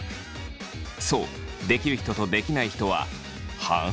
そうできる人とできない人は半々ぐらい。